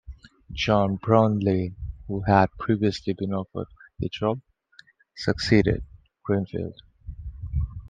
John Brownlee, who had previously been offered the job, succeeded Greenfield.